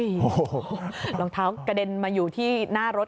โอ้โหรองเท้ากระเด็นมาอยู่ที่หน้ารถ